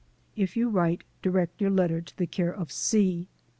If you write, direct your letter to the care of 0.'